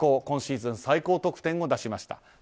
今シーズン最高得点を出しました。